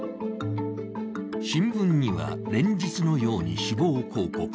新聞には、連日のように死亡広告。